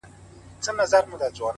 صادق چلند ریښتینې ملګرتیا زېږوي’